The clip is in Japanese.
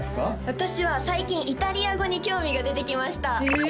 私は最近イタリア語に興味が出てきましたええ！